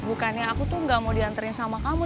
bukannya aku ga mau dianterin sama kamu